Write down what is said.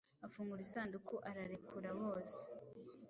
Afungura isanduku, ararekura bose;